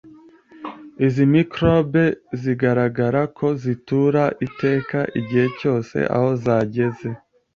Izi microbe zigaragara ko zitura iteka (igihe cyose) aho zageze.